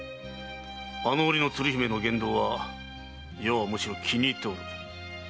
あの折の鶴姫の言動は余はむしろ気に入っておる。